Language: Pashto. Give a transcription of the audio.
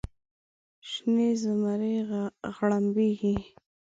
شنې زمرۍ غړمبیږې